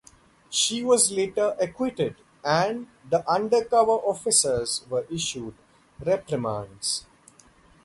She was later acquitted, and the undercover officers were issued reprimands.